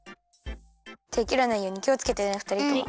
てきらないようにきをつけてねふたりとも。